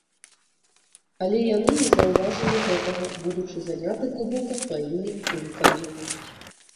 Але яны не заўважылі гэтага, будучы заняты глыбока сваімі думкамі.